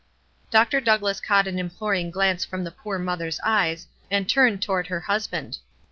Dr. Douglass caught an imploring glance from the poor mother's eyes, and turned toward her husband.